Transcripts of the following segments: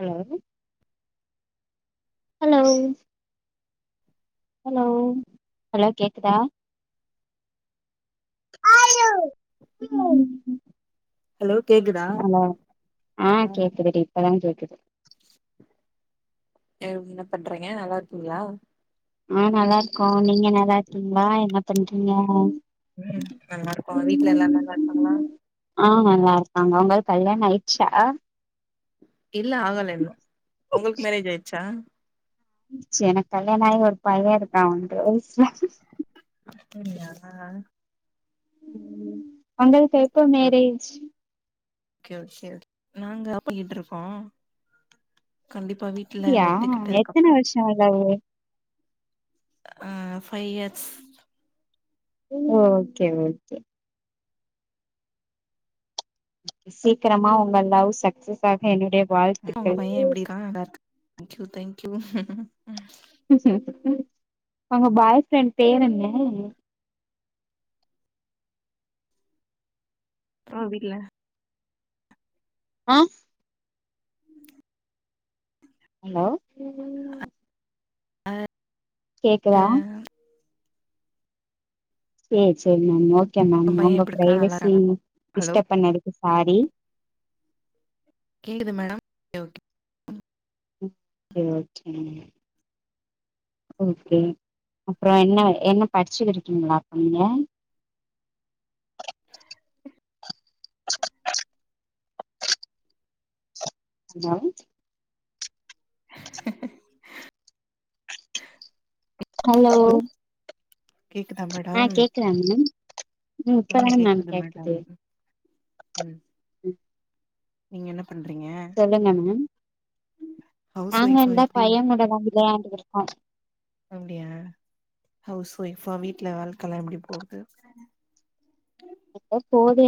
Hello hello hello hello கேக்குதா ஆயோ உம் ஹலோ கேக்குதா ஹலோ ஆ கேக்குதுடி இப்பதா கேக்குது எவ் என்ன பண்றீங்க நல்லாருக்கீங்ளா ஆ நல்லாருக்கோ நீங்க நல்லாருக்கீங்ளா என்ன பண்றீங்க ம் நல்லாருக்கோ வீட்ல எல்லாரு நல்லாருக்காங்களா ஆ நல்லாருக்காங்க உங்களுக்கு கல்யாண ஆய்ச்சா இல்ல ஆகல இன்னு உங்களுக்கு மேரேஜ் ஆயிச்சா ச்ச எனக்கு கல்யாண ஆகி ஒரு பைய இருக்கா ரோஸ் அப்படியா உங்களுக்கு எப்போ மேரேஜ் ஓகே ஓகே நாங்க அப்பிகிட் இருக்கோ கண்டிப்பா வீட்ல அப்டியா ஒத்துக்கிட்டதுக்கு எத்தன அப்பற வருஷோ லவ் அ ஃபைவ் யர்க்ஸ் ஓகே ஓகே சீக்கிரமா உங்க லவ் சக்சஸ் ஆக என்னுடைய வாழ்த்துக்கள் அ நல்லாருக்கு தேங்க் யூ தேங்க் யூ உங்க பாய் ஃப்ரெண்ட் பேரென்ன அ வீட்ல ஆ ஹலோ அ கேக்குதா செரி செரி மேம் ஓகே மேம் ந பைய உங்க எப்டி இருக்கா நல்லா பிரைவசி இருக்கானா ஹலோ டிஸ்டர்ப் பண்ணதுக்கு சாரி கேக்குது மேடம் [inaudible] கே ம் கேக்குதா தோழி ஓகே அப்றோ என்ன என்ன படிச்சிகிட்ருக்கிங்ளா அப்போ நீங்க ஹலோ ஹலோ கேக்குதா ஆ மேடம் கேக்குதாங் மேடம் ம் இப்ப தானுங் மேம் கேக்குது ம் நீங்க என்ன பண்றீங்க சொல்லுங்க மேம் ஹவுஸ் நாங்க ஒய்ஃபா இந்தா எப்டி பைய்யங்கூட தா விளையாண்டுகிட்ருக்கோ அப்டியா ஹவுஸ் ஒய்ஃபா வீட்ல வேலக் கல்யாணம் முடிய போகுது எதோ போது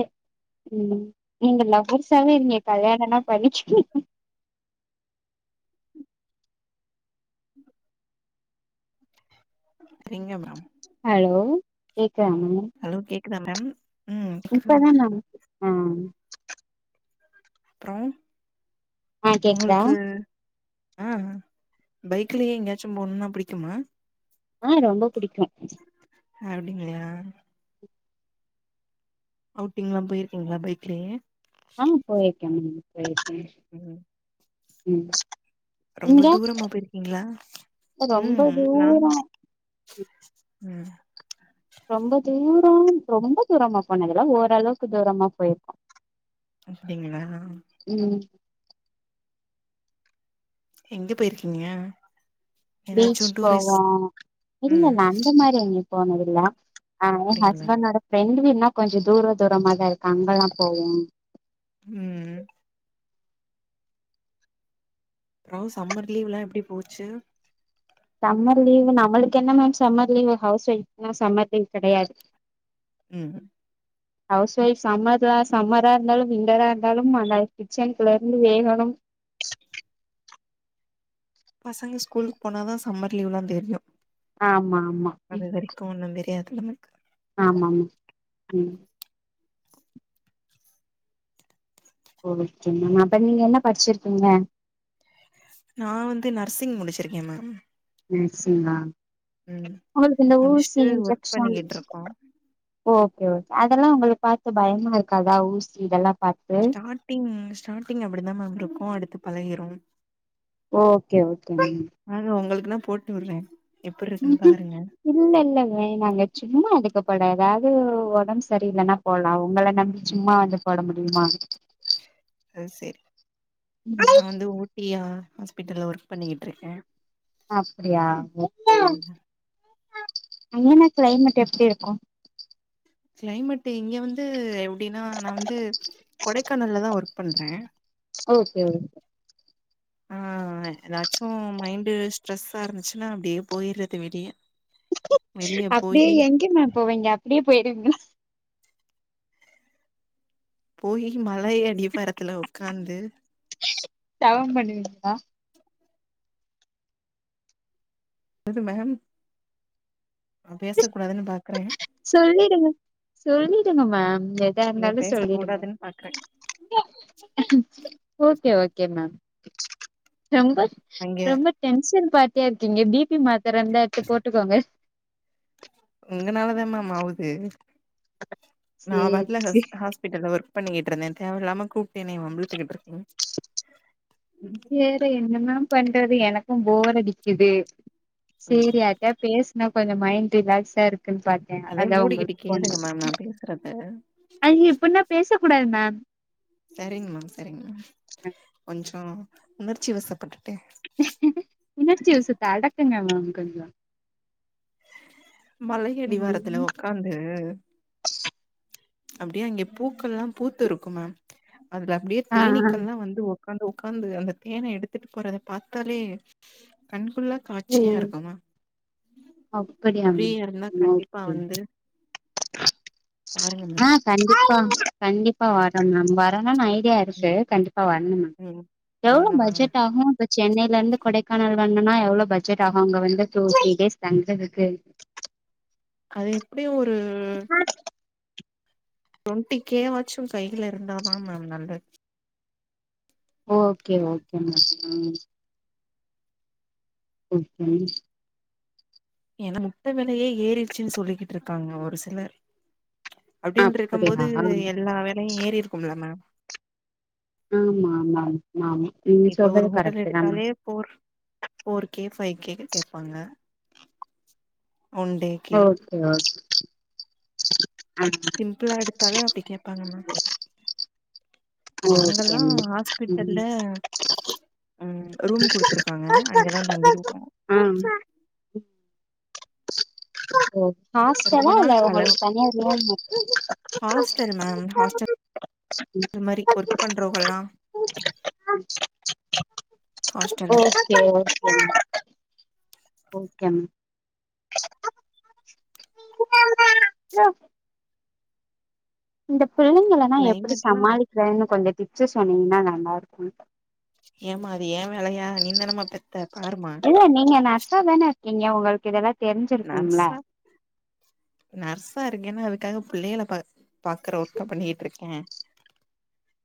ம் நீங்க லவ்வர்ஸாவே இருங்க கல்யாணன்னா பண்ணிக்காதீங்க எங்க மேம் ஹலோ கேக்குதா மேம் ஹலோ கேக்குதா மேம் ம் கேக்குது இப்பதா மேம் ஆ அப்றோ ஆ கேக்குதா உங்களுக்கு அ பைக்லியே எங்கியாச்சும் போணுனா புடிக்குமா ஆ ரொம்ப புடிக்கு அப்டிங்ளா அவுட்டிங்ல்லா போயிருக்கீங்ளா பைக்லியே அ போயிருக்கே மேம் போயிருக்கே ம் ம் ரொம்ப நீங்க தூரமா போயிருக்கிங்ளா ரொம்ப ம் நானு தூரோ ம் ரொம்ப தூரோ ரொம்ப தூரமா போனதில்ல ஓரளவுக்கு தூரமா போயிருக்கோ அப்டிங்ளா ம் எங்க போயிருக்கீங்க பீச் ஏதாச்சு டூரிஸ் போவோ ம் இல்லல்ல அந்த மாரி எங்கையு போனதில்ல அ எ அப்டிங்களா ஹஸ்பண்டோட ஃப்ரெண்ட்டு வீடுனா கொஞ்சோ தூர தூரமா தா இருக்கு அங்கெல்லா போவோ ம் ப்றோ சம்மர் லீவ்லா எப்டி போச்சி சம்மர் லீவு நம்மளுக்கு என்ன மேம் சம்மர் லீவு ஹவுஸ் ஒயஃப்ல்லா சம்மர் லீவ் கெடையாது ம் [inaudible] ஹவுஸ் ஒய்ஃப் சம்மர்லா சம்மரா இருந்தாலு விண்டரா இருந்தாலு அந்த கிச்சன்குள்ள இருந்து வேகணும் பசங்க ஸ்கூலுக்கு போனாதா சம்மர் லீவ்ல்லா தெரியு ஆமா ஆமா இப்பொன்னு தெரியாது நம்மளுக்கு ஆமாமு ம் [unintelligible] அப்ப நீங்க என்ன படிச்சிருக்கீங்க நா வந்து நர்சிங் முடிச்சிருக்கே மேம் நர்சிங்க ம் உங்களுக்கு இந்த ஊசி முடிச்சுட்டு ஒர்க் இன்ஜெக்ஷன் பண்ணிக்கிட்ருக்கோ ஓகே ஓகே அதெல்லா உங்களுக்கு பாத்து பயமா இருக்காதா ஊசி இதெல்லா பாத்து சாட்டிங் ஸ்டாடிங் அப்டிதா மேம் இருக்கு அடுத்து பழகிரு ஓகே ஓகே மேம் வாங்க உங்களுக்குனா போட்டு வுடுறே எப்டிருக்குன்னு பாருங்க இல்ல இல்ல வேணாங்க சும்மா எதுக்கு போட எதாவ்து ஒடம்பு சரியில்லனா போலா உங்கள நம்பி ம் சும்மா வந்து போட முடியுமா அது சரி நா வந்து ஊ பிரியா ஹாஸ்பிட்டல்ல ஒர்க் பண்ணிக்கிட்டுருக்கே அப்டியா ஒகே அங்கலா கிளைமேட் எப்டி இருக்கு கிளைமேட்டு் இங்கே வந்து எப்டின்னா நா வந்து கொடைக்கானல்லதா ஒர்க் பண்றே ஓகே ஓகே ஆ எதாச்சு மைண்டு ஸ்ட்ரெஸ்ஸா இருந்துச்சுன்னா அப்டியே போய்றது வெளியே அப்டியே எங்கே மேம் போவெங்க அப்டியே போயிருவீங்ளா போயி மலையடிவாரத்துல உக்காந்து தவம் பண்ணுவிங்ளா இது மேம் நா பேச கூடாதுன்னு பாக்குறே சொல்லிடுங்க சொல்லிடுங்க மேம் எதா இல்ல இருந்தாலு பேச சொல்லிடுங்க கூடாதுன்னு பாக்குறே ஓகே ஓகே மேம் ரொம்ப அங்க ரொம்ப டென்ஷன் பார்ட்டியா இருக்கீங்க பி பி மாத்தர இருந்தா எத்து போட்டுக்கோங்க உங்கனாலதா மேம் ஆவுது நா சேரி பாட்ல ஹஸ் சேரி ஹாஸ் பிட்டல்ல ஒர்க் பண்ணிக்கிட்டுருந்தே தேவயில்லாம கூப்ட்டு என்னைய வம்புழுத்துட்டு இருக்கீங்க வேற என்ன மேம் பண்றது எனக்கு போர் அடிக்குது செரி ம் யார்ட்டயா பேச னா கொஞ்சொ மைண்ட் ரிலாக்ஸா இருக்குன் பாத்தே அதே அதா மூடிக்கிட்டு உங்களுக்கு ஃபோன் கேளுங்க மேம் நா பண்ண பேசுறத அய் இப்டின்னா பேச கூடாது மேம் செரிங்க மேம் செரிங்க மேம் கொஞ்சோ உணர்ச்சி வசப்பட்டுட்டே உணர்ச்சிவசத்த அடக்குங்க மேம் கொஞ்சொ மலையடிவாரத்துல ம் உக்காந்து அப்டியே அங்கே பூக்கள்ல்லா பூத்து இருக்கும் மேம் அதுல அப்டியே ஆ ஆ தேனீக்கள்ல்லா வந்து உக் உக்காந்து உக்காந்து அந்த தேன எடுத்துட்டு போறத பாத்தாலே கண்கொள்ளா ஓ காட்சியா இருக்குமா அப்படியா ஃப்ரீயா இருந்தா மேம் கண்டிப்பா ஓகே வந்து பாருங்க மேம் ஆ கண்டிப்பா கண்டிப்பா வரே மேம் வரனுன் ஐ டியா ம் இருக்கு கண்டிப்பா வரணு மேம் ம் எவ்ளோ வாங்க வாங்க பட்ஜெட் ஆகு இப்ப சென்னைல இருந்து கொடைக்கானல் வந்தனா எவ்ளோ பட்ஜெட் ஆகு அங்க வந்து டூ த்ரீ டேஸ் தங்குறதுக்கு அது எப்டியு ஒரு அ ட்வெண்ட்டி கேவாச்சு கைல இருந்தாதா மேம் நல்லது ஓகே ஓகே மேம் ம் ஓகே ஏனா முட்ட வெலயே ஏறிடுச்சுன்னு சொல்லிட்டு இருக்காங்க ஒரு சிலர் அப்டின்டுருக்கும்போது அப்டியா ஆமா எல்லா வேலையு ஏறிருக்கும்ல மேம் ஆமா ஆமா ஆமா நீங்க இப்ப ஒரு சொல்றது ஹோட்டல் கரெக்ட்தாமா எடுத்தாலே four four K five K கேப்பாங்க ஒன் டே ஓகே ஓகே அ ம்பிளா எடுத்தாலே அப்டி கேப்பாங்க மேம் ப்ப ஓகே நாங்கல்லா மேம் ம் ஹாஸ்பிட்டல்ல ம் ரூம் குடுத்துருக்காங்க அங்கதா தங்கிருக்கோ ஆம் ஓ ரொம்ப ஹாஸ்டலா நாள் இல்ல கலவு ஒங்களுக்கு தனியா ரூம்மு அது மாதிரி ஒர்க் பண்றவங்கள்ளா ஆ [inaudible] ஹாஸ்டல்லு ஓ செரி மேம் ஓகே மேம் இந்த பிள்ளைங்கலலா எப்டி கிளைமேட்லா சமாளிக்கிறேனு கொஞ்ச டிப்ஸ் சொன்னீங்கனா நல்லாருக்கு ஏமா அது ஏ வேலையா நீந்தானமா பெத்த பாருமா இல்ல நீங்க நர்சா தான இருக்கீங்க ஒங்களுக்கு இதல்லா நர்சா நர்சா இருக்கேனா அதுக்காக பிள்ளைகள பா பாக்குற ஒர்க்கா பண்ணிட்ருக்கே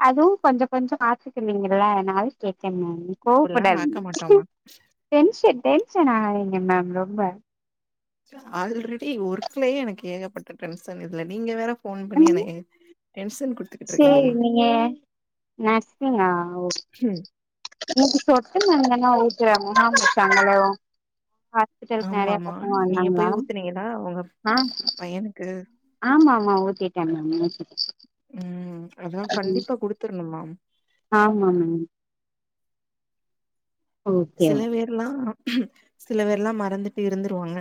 அதுவு கொஞ்சோ கொஞ்சோ ஆத்துகுவீங்கள்ள அதுனால கேட்டே மேம் நீங்க இப்டில்லா பாக்க கோவப்படாதீங்க மாட்டோமா டென்ஷு டென்ஷன் ஆகாதீங்க மேம் ரொம்ப ஆல்ரெடி ஒர்க்குலயே எனக்கு ஏகப்பட்ட டென்ஷன் இதுல்ல நீங்க வேற ஃபோன் பண்ணி எனய டென்ஷன் குடு சேரி நீங்க நர்சீங்கா ஓ ம் இன்னைக்கி சொட்டு மருந்தல்லா ஊத்துற முகாம் வச்சாங்களோ அ ஊத்தர்க்கு நெறையா ஆமாமா பசங்க நீங்க வந்தாங்களா போய் ஊத்துனீங்கன்னா உங்க ஆ பையனுக்கு ஆமா ஆமா ஊத்திட்டே மேம் ஊத்திட்டே ம் அதா கண்டிப்பா குடுத்தரணுமாம் ஆமா மேம் ஓகே சில பேர்லா சில பேர்லா மறந்துட்டு இருந்துருவாங்க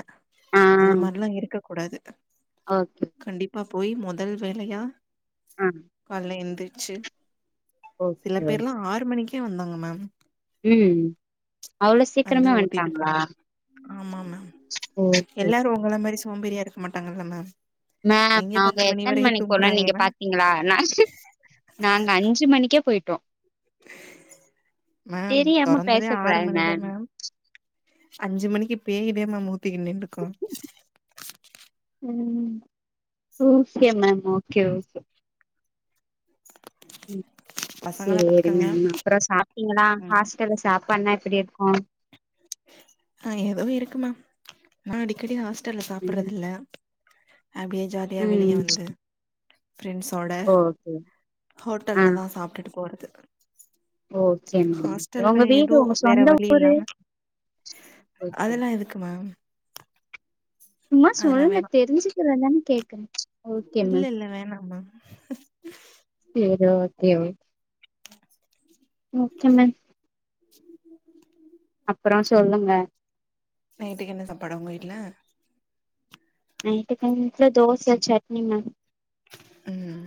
ஆ அந்த மாரிலா இருக்க கூடாது ஓகே கண்டிப்பா போய் மொதல் வேலையா ஆ காலுல எந்துருச்சு சில ஓகே ஓகே. பேர்லா ஆறு மணிக்கே வந்தாங்க மேம் ம் அவ்ளோ வந்து சீக்கிரமே ஊத்திட்டு வந்ட்டாங்களா போனாங்க ஆமா மேம் ஓ எல்லாரு ஒங்கள மாரி சோம்பேரியா இருக் மாட்டாங்கள்ள மேம் மேம் நீங்க நாங்க பத்து மணி எத்தன வரையு மணிக் போனோன் நீங்க தூங்குறாங்கன்னா பாத்தீங்களா நானு நாங்க அஞ்சு மணிக்கே போய்ட்டோ மேம் தெரியாம தொறந்ததே ஆறு பேசக்கூடாது மணிதா மேம் அஞ்சு மணிக்கு பேய்தே மேம் ஊத்திக்குனு நின்னுக்கு ம் ஓகே மேம் ஓகே ஓகே ம் பசங்கள சேரி பாத்துக்கங்க மேம் அப்பறோ சாப்ட்டீங்களா ம் ஹாஸ்டல் சாப்பான்னா எப்டி இருக்கு ஆ ஏதோ இருக்கு மேம் நா அடிக்கடி ஹாஸ்டல்ல ம் சாப்பற்றதுல்ல அப்டியே ஜாலியா வெளிய ம் வந்து ஃப்ரண்ட்ஸோட ஓகே ஆ ஹோட்டல்லதா சாப்டுட்டு போறது ஓகே மேம் ஹாஸ்டல்ல ஒங்க வீடு ஏதோ ஒங்க சொந்த ஊரு ஓகே அதலா எதுக்கு மேம் சும்மா அதெல்லா சொல்லுங்க வேணா தெரிஞ்சுக்குற தான கேக்குறே ஓகே இல்ல மேம் இல்ல வேணா மேம் சேரி ஓகே மேம் ஹ [unintelligible] ஓகே மேம் உ [unintelligible] அப்பறோ சொல்லுங்க நைட்டுக்கு என்ன சாப்பாடு உங்க வீட்ல நைட்டுக்கு எங்க வீட்ல தோச சட்னி மேம் ம்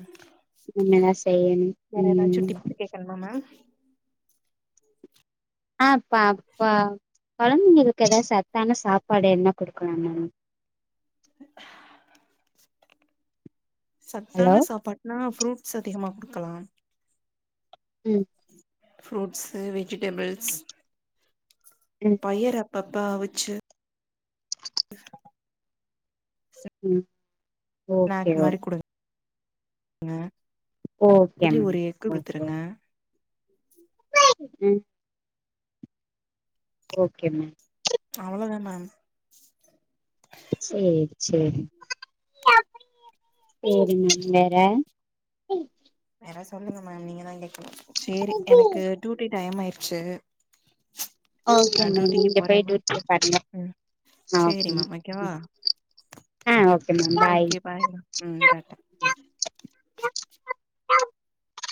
இனிமே தா செய்யனு வேற ஏதாச்சு டிப்பு கேக்கணுமா மேம் ஆ ப்பா ப்பா கொழந்தைங்களுக்கு ஏதாது சத்தான சாப்பாடு என்ன குடுக்கலா மேம் ஹலோ சத்தான சாப்பாடுனா ஃப்ரூட்ஸ் அதிகமா குடுக்கலா ம் ஃரூட்ஸு வெஜிடேபிள்ஸ் ம் பயரு அப் பப்பா அவுச்சு ம் ஓகே ஸ்நாக் ஓ மாரி குடுங் க ஓகே டெய்லி மேம் ஒரு எக்கு ஓகே குடுத்துருங்க ம் ஓகே மேம் அவ்ளோதான செரி செரி செரிங் க வேற வேற சொல்லுங்க மேம் நீங்க தா இன்னைக்கு சேரி எனக்கு டூட்டி டைம் ஆயிருச்சு ஓகே நா மேம் டியூட்டிக்கு நீங்க போறே போய் மேம் டூட்டிய பாருங்க ம் நா சேரி [inaudible] மேம் ஓகேவா ஆ okay ma'am bye okay ma'am ம் டாட்டா